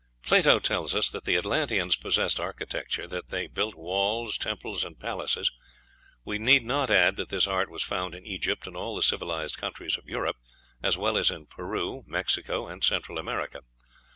Plato tells us that the Atlanteans possessed architecture; that they built walls, temples, and palaces. We need not add that this art was found in Egypt and all the civilized countries of Europe, as well as in Peru, Mexico, and Central America.